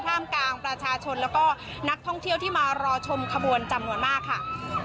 กลางประชาชนแล้วก็นักท่องเที่ยวที่มารอชมขบวนจำนวนมากค่ะ